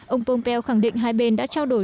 ông pompeo khẳng định hai bên đã trao đổi